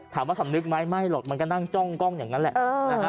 สำนึกไหมไม่หรอกมันก็นั่งจ้องกล้องอย่างนั้นแหละ